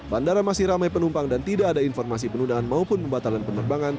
bandara masih ramai penumpang dan tidak ada informasi penundaan maupun pembatalan penerbangan